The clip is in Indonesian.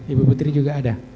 ibu putri juga ada